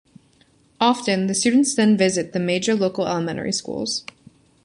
Often, the students then visit the major local elementary schools.